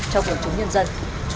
cho quận chúng nhân dân